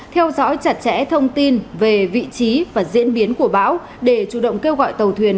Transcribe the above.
theo dõi chặt chẽ thông tin về vị trí và diễn biến của bão để chủ động kêu gọi tàu thuyền